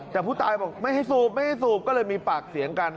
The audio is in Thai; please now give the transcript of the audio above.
แต่ผู้ตายบอกไม่ให้สูบก็เลยมีปากเสียงกัน